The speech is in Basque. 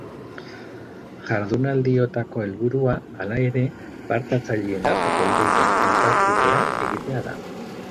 Jardunaldiotako helburua, hala ere, parte-hartzaileen arteko ideien elkartrukea egitea da.